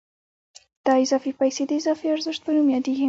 دا اضافي پیسې د اضافي ارزښت په نوم یادېږي